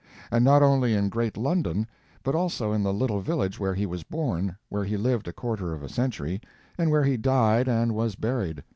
And not only in great London, but also in the little village where he was born, where he lived a quarter of a century, and where he died and was buried.